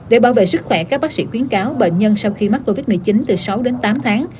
để bảo vệ sức khỏe các bác sĩ khuyến cáo bệnh nhân sau khi mắc covid một mươi chín từ sáu đến tám tháng